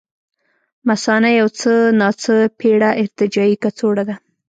مثانه یو څه ناڅه پېړه ارتجاعي کڅوړه ده.